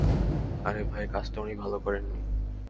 আরে ভাই, কাজটা উনি ভালো করেননি।